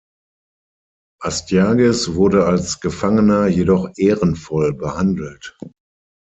Astyages wurde als Gefangener jedoch ehrenvoll behandelt.